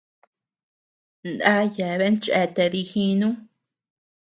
Na yeabean cheatea dijinu.